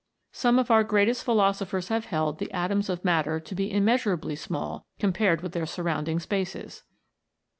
Some of our greatest philosophers have held the atoms of matter to be immeasurably small, compared with their surrounding spaces.